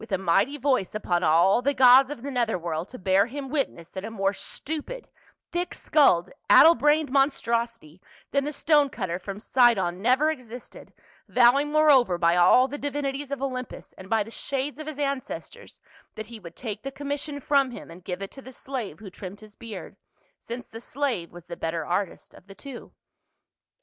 a mighty voice upon all the gods of the nether world to bear him witness that a more stupid, thick skulled, addle brained monstrosity than the stone cutter from Sidon never existed, vowing moreover by all the di vinities of Olympus and by the shades of his ancestors that he would take the commission from him and give it to the slave who trimmed his beard, since the slave was the better artist of the two.